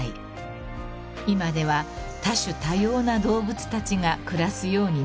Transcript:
［今では多種多様な動物たちが暮らすようになりました］